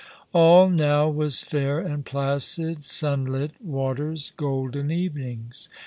All now was fair and placid — sunlit waters, golden evenings.